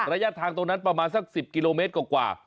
ระยะทางตรงนั้นประมาณสัก๑๐กิโลเมตรกว่า